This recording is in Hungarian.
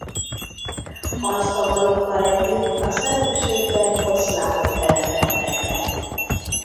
Az avarokkal együtt a Szerémségbe ekkor szlávok telepedtek le.